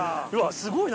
すごいな。